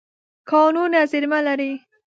کانونه زیرمه لري.